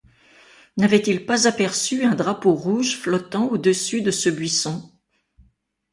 N'avait-il pas aperçu un drapeau rouge flottant au-dessus de ce buisson?